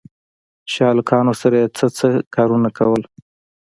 چې هلکانو سره يې څه څه کارونه کول.